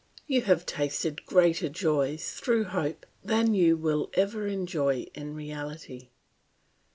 You have tasted greater joys through hope than you will ever enjoy in reality.